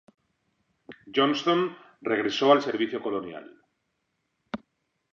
Johnston regresó al servicio colonial.